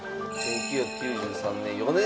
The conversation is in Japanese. １９９３年。